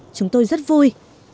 chúng tôi rất vui